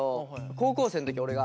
高校生の時俺が。